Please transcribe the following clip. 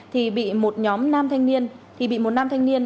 thì bị một nhóm nam thanh niên